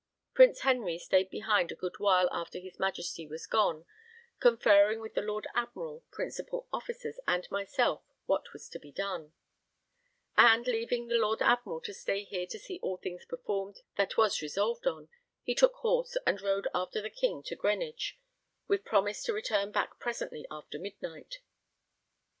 Prince Henry stayed behind a good while after his Majesty was gone, conferring with the Lord Admiral, Principal Officers, and myself what was to be done; and, leaving the Lord Admiral to stay here to see all things performed that was resolved on, he took horse and rode after the King to Greenwich, with promise to return back presently after midnight.